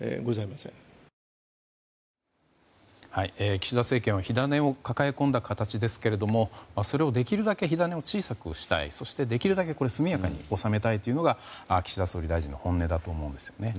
岸田政権は火種を抱え込んだ形ですがそれをできるだけ火種を小さくしたいそして、できるだけ速やかに収めたいというのが岸田総理大臣の本音だと思うんですよね。